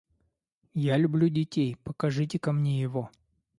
Я люблю детей: покажите-ка мне его.